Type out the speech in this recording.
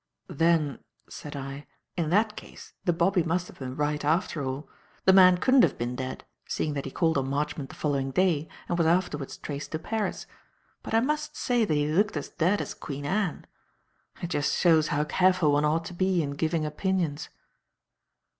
"Then," said I, "in that case, the bobby must have been right, after all. The man couldn't have been dead, seeing that he called on Marchmont the following day and was afterwards traced to Paris. But I must say that he looked as dead as Queen Anne. It just shows how careful one ought to be in giving opinions."